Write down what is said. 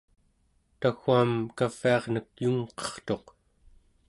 tau͡gaam kaviarnek yungqertuq